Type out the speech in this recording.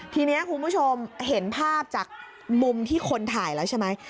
ทีนี้คุณผู้ชมเห็นภาพจากมุมที่คนถ่ายแล้วใช่ไหม